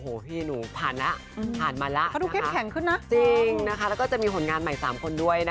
ก็รู้สึกว่าก้อยไม่ได้อยากมานั่งแสดงความคิดเห็น